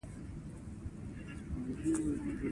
ښوونکي د شاګردانو چلند څارلو.